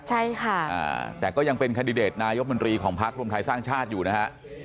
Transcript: ใช่ค่ะแต่ก็ยังเป็นคันดิเดตนายกมนตรีของพักรวมไทยสร้างชาติอยู่นะฮะ